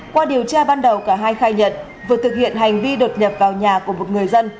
qua điều tra ban đầu cả hai khai nhận vừa thực hiện hành vi đột nhập vào nhà của một người dân